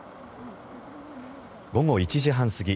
午後１時半過ぎ